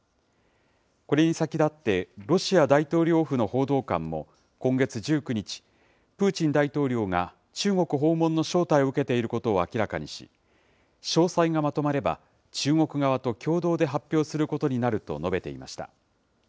これに先立ってロシア大統領府の報道官も今月１９日、プーチン大統領が中国訪問の招待を受けていることを明らかにし、詳細がまとまれば、中国側と共同で発表することになると述べていました。